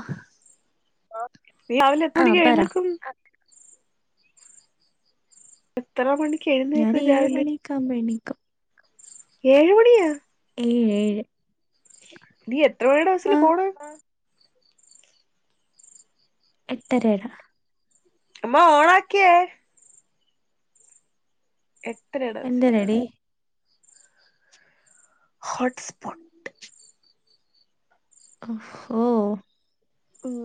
ആഹ് രാവിലെ എത്ര മണിക്ക് എഴുന്നേക്കും എത്ര മണി ഞാൻ ഏഴ് മണിയെക്കാവുമ്പോ എണീക്കും ഏഴ് മണിയാ ഏഴ് നീ എത്ര മണിയുടെ ആ ബസില് പോണ എട്ടരയുടെ അമ്മ ഓണാക്കിയേ എട്ടരയുടെ ബസിലാ എന്തരടി ഹോട്ട് സ്പോട്ട് ഓ ഉം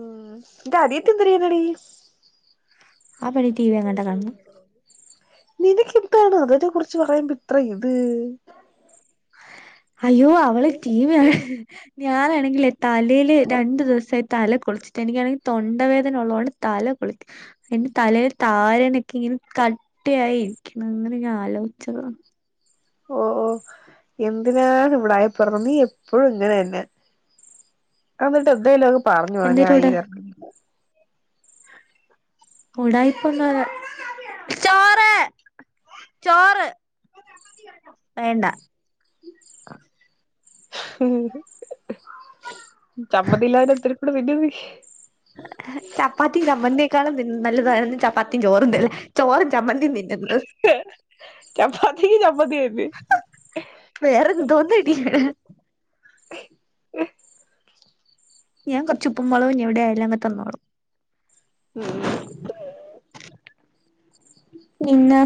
നിൻ്റെ അനിയത്തി എന്ത് ചെയ്യുന്നടി ആ പെണ്ണ് ടി വി അങ്ങാണ്ട കാണുന്നു നിനക്ക് എന്താണ് അതിനെ കുറിച്ച് പറയുമ്പ ഇത്ര ഇത് അയ്യോ അവള് ടി വി കാണ് ഞാനാണെങ്കിലേ തലയില് രണ്ടു ദിവസമായി തല കുളിച്ചിട്ട് എനിക്കാണെങ്കിൽ തൊണ്ടവേദന ഉള്ളതുകൊണ്ട് തല അതിന്റെ തലയിൽ താരനൊക്കെ ഇങ്ങനെ കട്ടയായിരിക്കണ് അങ്ങനെ ഞാൻ ആലോചിച്ച ഉം ഓ ഓ എന്തിനാണ് ഉടായ് പിറന്ന് നീ എപ്പഴും ഇങ്ങനെ തന്നെ... എന്നിട്ട് എന്തായാലുംങ് പറഞ്ഞോ പോ എന്തേലും ഉടാ നായികാരണങ്ങൾ... ഉടായിപ്പൊന്ന ചോറ്- ചോറ് വേണ്ട ആ ഹ് ചമ്മന്തി ഇല്ലാതെ ഇത്തിരി [unintelligible] ചപ്പാത്തി ചമ്മന്തി ക്കാളും തിന്നു നല്ലത് ചപ്പാത്തിയും ചോറും ഇല്ലേ ചോറും ചമ്മന്തിയും തിന്നുന്നത്... ചപ്പാത്തിക്ക് ചമ്മന്തി ഏര്ന്ന് വേറെ [inaudible] [unintelligible] ഞാൻ കൊറച്ച് ഇപ്പും മൊളകും ഞ് എവിടെ യാലും അങ്ങ് ത്‌ന്നോളും ഉം പിന്ന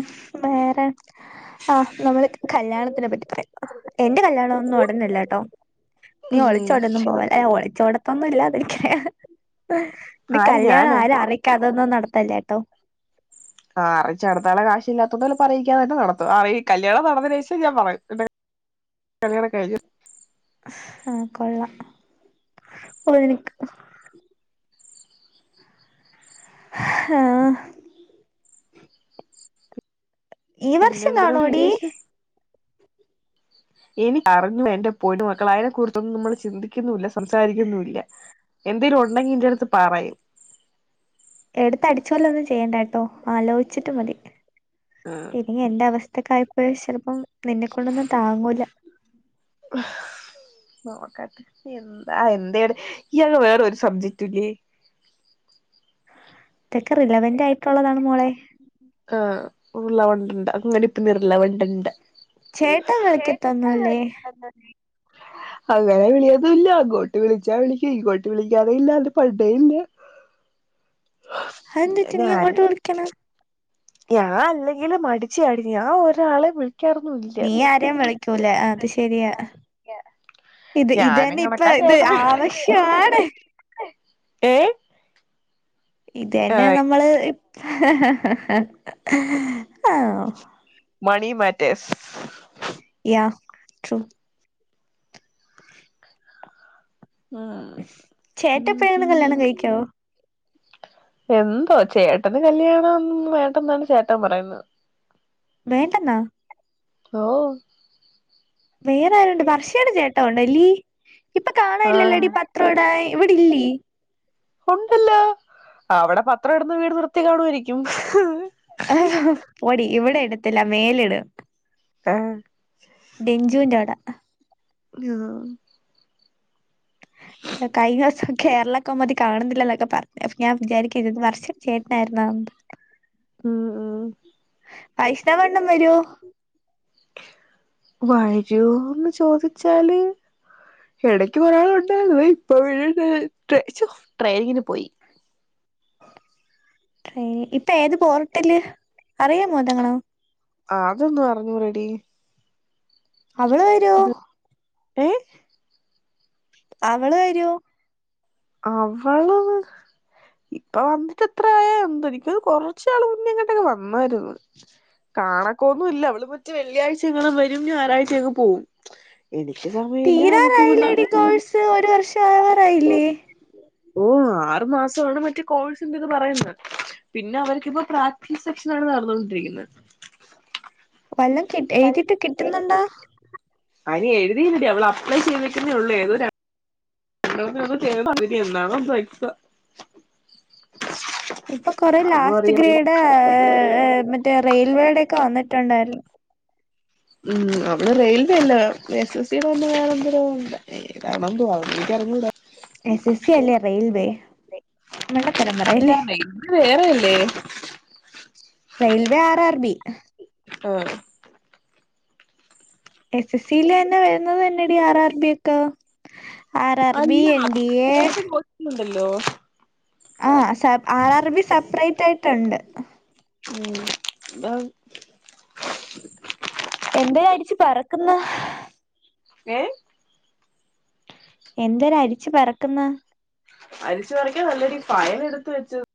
വേറെ ആ നമ്മള് കല്യാണത്തിനെ പറ്റി പറയാം എന്റെ കല്യണം ഒന്നും ഉടനല്ലട്ടോ നീ ഉം ഒളിച്ചോടൊന്നും പോവല്ലേ ഒളിച്ചോട ഒന്നുംല്ലാതിരിക്ക ഹ ഹ ഇത് ആര് കല്യാണ ഞാനാ ആരും അറിക്കാ തൊന്നും നടത്തല്ലേ ട്ടോ ആഹ് അറീച് നടത്താനുള്ള കാശ് ഇല്ലാതൊണ്ടല്ലേ ഇപ്പ അറിക്കാതെ നടത്തുന്നത് അ കല്യാണം നടന്നതിന് ശേഷം ഞാൻ പറയും. കല്യാണം കൈഞ്ഞോ. ആ കൊള്ള പൊളിക്കും ഹ ഈ പിന്നെ എന്തുണ്ട് വർഷംകാണോടി എനി [unintelligible] ഞ്ഞില്ല എന്റെ പൊന്നുമക്കള അതിനെക്കറിച്ചൊന്നും നമ്മൾ ചിന്തിക്കുന്നുല്ല സംസാരിക്കുന്നുല്ല എന്തേലും ഉണ്ടെങ്കി എന്റെടുത്ത് പറയും എടുത്ത അടിച്ച പോല ഒന്നും ചെയ്യണ്ട കേട്ടോ ആലോചിച്ചിട്ട് മതി ഉം ഇനി എന്റെ അവസ്ഥക്കായപ്പോഴ ചിലപ്പം നിന്നെ കൊണ്ടൊന്നും താങ്ങൂല നോക്കാട്ടെ എന്താ എന്തടെ ഈയാക് വേറ ഒരു സബ്ജറ്റൂല്ലേ [inaudible] ഇതൊക്കെ റിലവന്റ് ആയിട്ടുള്ളതാണ് മോളെ ആ് ഉരുളവണ്ടിണ്ട് അങ്ങനെ ഇപ്പ നിരുള വണ്ടിണ്ട ചേട്ടൻ കളിക്കതൊന്നൂല്ലേ? [unintelligible] അങ്ങനെ വിളിയൊന്നുല്ല അങ്ങോട്ട് വിളിച്ചാ വിളിക് ഇങ്ങോട്ട് വിളിക്കാറെ ഇല്ല അത് പണ്ടെ ഇല്ല [inaudible] ഹന്ത്റ്റി ഞാന് നീയാങ്ങോട്ട്ളിക്കണ ഞാൻ അല്ലെങ്കിലു മടിച്ചിയാടി ഞാൻ ഒരാളെ വിളിക്കാറൊന്നും ഇല്ല ക്കൂലെ അത് ശെരിയാ ഇത് ഞാനും ഇതന്നെ ഇപ്പൊ കണക്കാ ഇത് ചേട്ടനും കണക്കാ ആവശ്യാണ് ഏ ഇത് തന്നെമ്മള് ഹ ഹ ഹ ഹ ഹ ആ മണി മാറ്റസ് ആ ട്രൂ ഉം ഉം ചേട്ടപ്പഴേങ്ങാൻ ഉം കല്യാണം കഴിക്കൊ [unintelligible] എന്തോ ചേട്ടന് കല്യാണന്ന് വേണ്ടന്നാണ് ചേട്ടൻ പറയുന്നത് വേണ്ടന്ന ഓ വേറെ ആരുണ്ട് വർഷയയുടെ ചേട്ടോണ്ടല്ലീ ഇപ്പൊ ആ കാണല്ലല്ലോടി പത്രോടാൻ ഇവിടെ ഇല്ലി ഉണ്ടല്ലോ അവിടെ പത്രം ഇടുന്ന വീട് നിർത്തി കാണുമായിരിക്കും പോടി ഇവിടെ ഇടത്തില്ല മേൽ ഇടും ആ ഡെഞ്ചുന്റെ അവിട ആ കഴിഞ്ഞ [unintelligible] കേരള കൗമുദി കാണുന്നില്ല എന്നൊക്കെ പറഞ്ഞു അപ്പൊ ഞാൻ വിചാരിക്ക ആരുന്നു വർഷേടെ ചേട്ടാനായിരുന്നോ ഉം ഉം വൈഷ്ണവ് അണ്ണൻ വരുവോ വരൂന്ന് ചോദിച്ചാല് ഇടക്ക് കുറേനാള് ഉണ്ടായിരുന്നു ഇപ്പ വീണ്ടും ട്രെയിനിങ്ങിന് പോയി ഇപ്പൊ ഏത് പോർട്ടല് അറിയാമോതെങ്ങണം ആ അതൊന്നും അറിഞ്ഞു ടെടി അവള് വരുവോ ഏ അവള് വരുവോ അവള് ഇപ്പൊ വന്നിട്ട് എത്ര ആയാ എന്തോ എനിക്ക് തോന്നുന്നു കൊറച്ച് നാള് മുന്നേ ഇങ്ങോട്ടൊക്കെ വന്നായിരുന്നു കാണക്ക ഒന്നും ഇല്ല അവള് മറ്റെ വെള്ളിയാഴ്ച എങ്ങണം വരും ഞായറഴ്ച അങ്ങ് പോവും എനിക്ക് സമയമില്ല അവക്ക് പിന്നെ തീരാറായില്ലേ ടി കോഴ്സ് ഒരു വർഷം ആവാറായില്ലേ ഓ ആറു മാസമാണ് മറ്റെ കോഴ്സിന്റെ ഇത് പറയുന്ന പിന്നെ അവർക്കിപ്പോ പ്രാക്റ്റീസ് സെക്ഷൻ നടന്നൊണ്ടിരിക്കുന്നത് വല്ലം കിട്ടി എഴുതിട്ട് കിട്ടുന്നുണ്ടോ അതിന് എഴുതില്ലടി അവള് അപ്ലൈ ചെയ്തേക്കുന്നേ ഉള്ളൂ ഏതൊ ര രണ്ടന്ന ചെയ്ത് അതിന് എന്നാണോ എന്തോ എക്സാം ഇപ്പൊ കൊറേ അതൊന്നും ലാസ്റ്റ് അറിയാൻ വയ്യ ഗ്രേഡ് മറ്റേ റെയിൽവേയുടെക്കെ വന്നിട്ടുണ്ടായിരുന്നു ഉം അവള് റെയിൽവേ അല്ല എസ് എസ് സി ന്ന് പറഞ്ഞ വേറെ എന്താരാ ന്തോ എനിക്കഅറിഞ്ഞൂട എസ് എസ് സി അല്ലേ റേയിൽവേ അല്ല റെയിൽവേ വേറെ അല്ലേ റെയിൽവേ ആർ ആർ ബി ആ എസ് എസ് സി ൽ തന്നെ വരുന്നത് തന്നടി ആർ ആർ ബി ഒക്കെ R R B N D A hello ആ സ ആർ ആർ ബി സെപ്പറേറ്റ് ആയിട്ടുണ്ട് ഉ ബ എന്ത അരിച്ചു പറക്കുന്ന ഏ എന്തര് അരിച്ചു പറക്കുന്ന അരിച്ചു പറക്കിയത് അല്ലെടി ഫയല് എടുത്ത് വെച്ചത്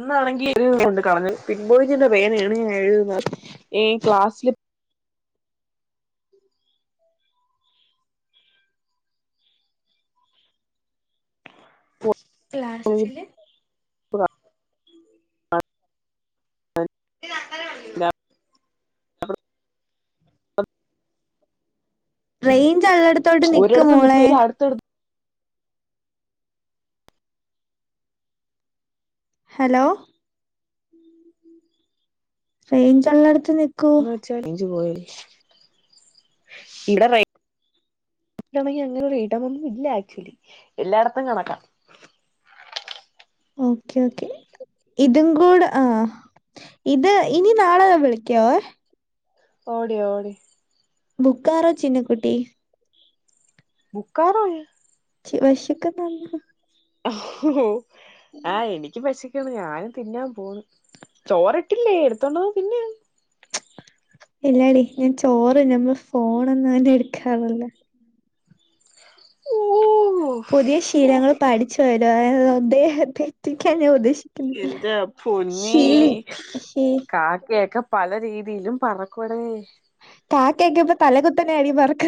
ഇന്നാണെങ്കി ഒരു പേന കൊണ്ട് കളഞ്ഞു പിൻ പോയിന്റ്ന്റെ പേന യാണ് ഞാൻ എഴുതുന്നത് ഈ ക്ലാസ്സ്‌ ക്ലാസ്സില് ക്ലാസ്സില് അ ഇ തക്കാലം റേയിഞ്ച് ഉള്ളടത്തോട്ട് നിക്ക് ഒരിടത്ത് നിക്കുമ്പോ മോളെ എനിക്ക് അടുത്തടുത്ത് ഹലോ റേഞ്ച് ഉള്ളടത്തു എന്ന് വെച്ചാ റേഞ്ചു പോയി ഇവിടെ റേ ണങ്കി അങ്ങനെ ഇടമൊന്നും ഇല്ല ആക്ച്വലി എല്ലായിടത്തും കണക്കാം ഓക്കെ ഓക്കെ ഇതും കൂടെ ആഹ ഇത് ഇനി നാളെ വിളിക്കോ ഓടെ ഓടെ ബുക്കാറോ ചിന്ന കുട്ടി ബക്കാറോയ വിശക്കെ നന്നു ആഹ എനിക്ക് പശി ഞാനും തിന്നാൻ പോണ് ചോറിട്ടില്ലേ എടുത്തോണ്ടത് തിന്നെയാണ് എല്ലാടി ഞാൻ ചോറ് ഞമ്മൾ ഫോണൊന്നും അവന്നെ എടുക്കാറില്ല ഉം പുതിയ ശീലങ്ങൾ പഠിച്ചു വരു എന്ന അദ്ദേഹക്കൻ ചോദിച്ചു എന്താ പൊന്നി ശീ കാക്കയൊക്കെ പല രീതിയിലും പറക്കൂടേ കാാക്കയാക്ക ഇ്പ തലഗൂത്തനെ അടി ബർക്ക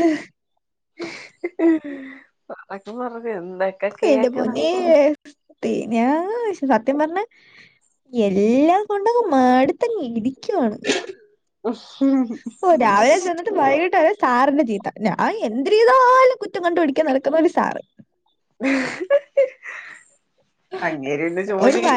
പറക്ക പററ കന്റെ പോന്ന തന ആ സത്യം പറഞ്ഞ എല്ലാം കൊണ്ട മാടി ഇ ഇടരിക്കുവാണ് ഓത്ാവ ജന്നത്ത ബയകട്ട സാറിന്റെ ചീത്ത ഞാൻ എന്ത് രീതാലും കുറ്റം കണ്ട പിടിക്കാൻ നടക്കുന്ന ഒരു സാറ് ഉ ഒരു വ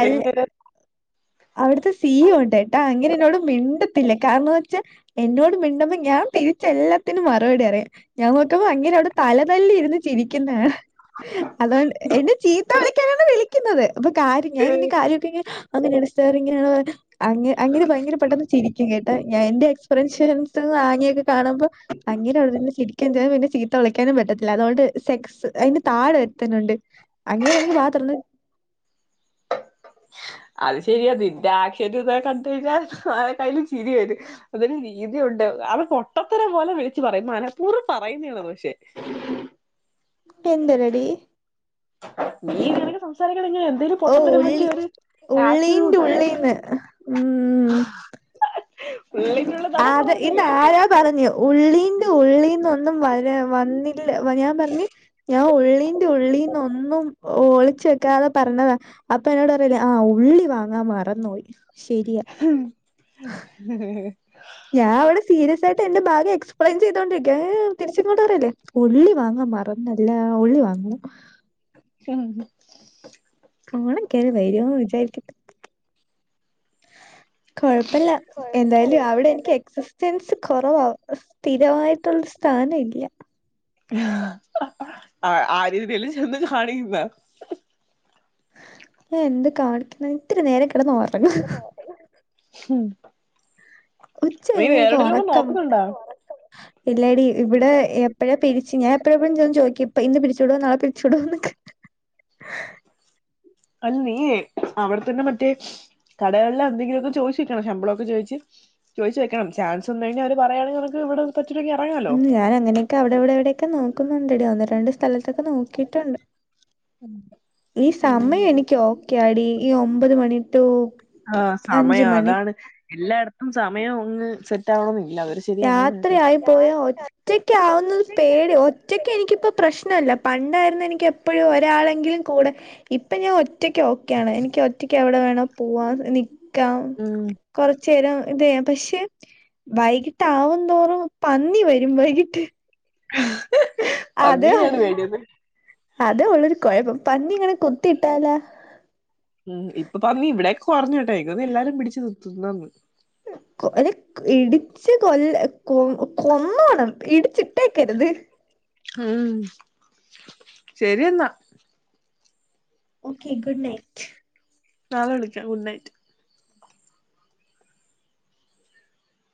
അവിടുത്തെ സീും ഉണ്ട് ട്ടാ അങ്ങനെ എന്നോട് മിണ്ടത്തില്ല കാരണംന്ന് വെച്ചാ എന്നോട് മിണ്ട്പ ഞാൻ തിരിച്ച എല്ലാത്തിനും മറുപടി അറിയാം ഞാൻ നോക്കുമ്പോ അങ്ങനെ അവിടെ തലതല്ലി ഇരുന്ന് ചിരിക്കുന്നതാണ് അതുകൊണ്ട് എന്റെ ച വിളിക്കുന്നത് അപ്പൊ കാര്ം ഞാൻ ഇങ്ങനെ കാര്യൊക്കെ അങ്ങനെ അണ ഇങ്ങനെയ അെ അങ്ങനെ ഭയങ്കര പെട്ടെന്ന് ചിരിക്കും കേട്ടാ ഞാൻ എന്റെ എക്സ്പീരിയൻൻസ്ന്ന് ആങ്ങിയൊക്കെ കാണുമ്പോ അങ്ങനെയുള്ള തന്നെിരിക്കൻ പിന്നെ ചീത്ത വിളിക്കാനും പറ്റത്തില്ല അതുകൊണ്ട് സെക്സ് അതിന്റെ താട എത്തണ്ട് അങ്ങനെയാണെങ്ക ത്രന്ന [unintelligible] അത് ശരിയാ നിന്റെ ആക്ഷേയം കണ്ട കഴിഞ്ഞാൽ ആ കയ്യിൽ ചിരി വരും അതൊരു രീതിയുണ്ട് അവ പൊട്ടത്തന പോലെ വിളിച്ചു പറയും മലപ്പൂർ പറയുന്നണന്ന പക്ഷെ എന്ത രടി ങ്ങന എന്തേലും പൊട്ടത്തനെ മാറ്റിയര് ആിട്ട ഉള്ളീന്റെ ഉള്ളീന്ന് അ ഉം അത് ഇന്റെ ആരാ പറഞ്ഞു ഉള്ളീ് ഉള്ളീന്ന്ൊന്നും വര വന്നി ഇല്ല ഞാൻ പറഞ്ഞഞ് ഞാൻ ഉള്ളീറെ ഉള്ളി ഒന്നും ഒളിച്ച വെക്കാതെ പറഞ്ഞത അപ്പൊ എന്നോട് പറല്ലേ ആ ഉള്ളി വാങ്ങാ മറന്നോയി [unintelligible] ഞാൻ അടെ സീരിയ ആയിട്ട് എന്റെ ഭാഗം എക്സ്പ്െൻ ചെയ്തോണ്ടിരിക്കഏ തിരിച്ചങ്ങോട്ട പററല്ലേ പുള്ളി വാങ്ങ മറം നല്ല ഉള്ളി വാങ്ങ ഉ കാണക്ക വരുന്ന് വിചാരിക്ക കൊഴപ്പില്ല എന്തായാലും അവിടെ എനിക്ക് എക്സിസ്റ്റൻസ് കുറവാ സ്ഥിരമായിട്ടുള്ള സ്ഥാന ഇല്ല അ ആ ആ രീതിൽ ചെന്ന് കാണിക്കുന്ന ഞ എന്ത് കാണിക്കണം ഇത്തിരി നേരം കിടന്നു റങ്ങ ഹം ഉച്ചനക്ക് ഉറക്കം ഇല്ലാടി ഇവിടെ എപ്പഴാ പിരിച്ച്ു ഞാൻ എപ്പഴ എവിഴന്തും ചോദിക്കി ഇപ്പ ഇന്ന് പിടിച്ചു വിട നളെ പിടിച്ചു വിടന്ന്ഒക്കെ [unintelligible] അല്ല നീേ അവിടെത്തന്നെ മറ്റേ കടകളില എന്തെങ്കിലുമൊക്കെ ചോയിിച്ചിരിക്കണോ ശമ്പളമൊക്കെ ചോയിച്ച് ചോദച്ച് വെക്കണം ചാസ് ഒന്ന കഴിഞ്ഞാ അവര് പറയാണെങ്ക നമക്ക് ഇവിടെ [unintelligible] ഉ ഇറങ്ങാലോ ഞാൻ അങ്ങനെയൊക്കെ അവിടെ എവിടെ എവിടെൊക്കെ നോക്കുന്നുണ്ട്ട ഒന്ന് രണ്ട് സ്ഥലത്തൊക്കെ നോക്കിയിട്ടുണ്ട് ഉം ഈ സമയം എനിക്ക് ഓക്കെ അടി ഈ ഒമ്പത് മണി ൂ ആഹ് സമയം അതാണ് എല്ലായിടത്തും സമയം അങ്ങ് സെറ്റ് ആകണംന്ന് രാത്രി ആയി പോയാ ഒറ്റക്കാവുന്നത് പേടിയാ ഒറ്റക്ക് എനിക്കിപ്പോ പ്രശ് നൊല്ല പണ്ടായിരുന്ന് എനിക്ക് എപ്പഴും ഒരാളെങ്കിലും കൂടെ ഇപ്പൊ ഞാൻ ഒറ്റയ്ക്ക് ഓക്ക ആണ്. എനിക്ക് ഒറ്റ ക്കെവിടെ വേണോ പുവ്വാ നി ക്കാം ഉം കൊറച്ചേരം ഇതെ പക്ഷെ വൈകി ട്ടാവും തോറും പന്നി വരും വൈകിട്ട് പന്നീനേണ് പേടിയല്ലേ? അതെ ഉള്ളൊരു കൊഴപ്പം പന്നി ഇങ്ങനെ കുത്തിയിട്ടാലാ ഉം ഇപ്പൊ പന്നി ഇവിടെയൊക്കെ കൊറഞ്ഞു ട്ടോ എനിക്ക് തോന്ന്ന്ന്എല്ലാരും പിടിച്ചു തിന് തിന്നന്ന് കൊല ഇടിച്ച് കൊല്ല കൊ കൊന്നോണം ഇടിച്ചിട്ടേക്കര്ത്. ഹും ശരിയെന്നാ. ഓക്കെ ഗുഡ് നൈറ്റ് നാളെ വിളിക്കാം, ഗുഡ് നൈറ്റ്.